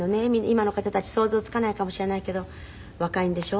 今の方たち想像つかないかもしれないけど若いんでしょ？